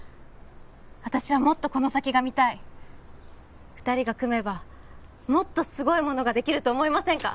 私はもっとこの先が見たい二人が組めばもっとすごいものができると思いませんか？